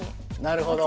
なるほど。